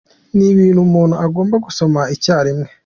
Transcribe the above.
Ni ibintu umuntu agomba gusoma icya rimwe.